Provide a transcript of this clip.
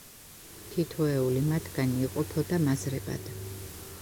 თითოეული მათგანი იყოფოდა მაზრებად.